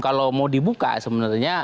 kalau mau dibuka sebenarnya